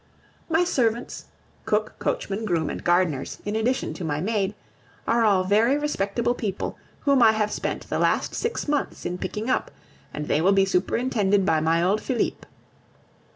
My servants cook, coachman, groom, and gardeners, in addition to my maid are all very respectable people, whom I have spent the last six months in picking up, and they will be superintended by my old Philippe.